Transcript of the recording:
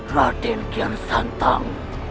raden kian santang